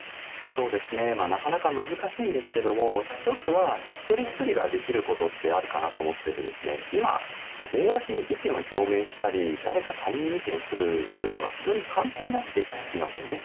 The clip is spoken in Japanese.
なかなか難しいんですけれども、一つは、一人一人ができることってあるかなと思ってて、今、公に意見を表明したり誰か他人に意見するということが非常に簡単になっていますよね。